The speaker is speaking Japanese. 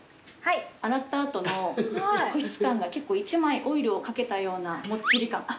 洗ったあとの保湿感がオイルを掛けたようなもっちり感。